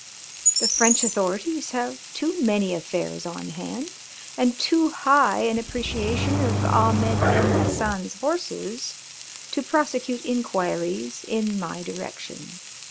The French authorities have too many affairs on hand and too high an appreciation of Ahmed Ben Hassan's horses to prosecute inquiries in my direction.